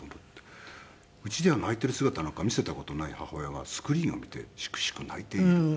家では泣いている姿なんか見せた事ない母親がスクリーンを見てしくしく泣いている。